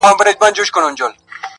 یوه ورځ په ښکار یوازي وم وتلی -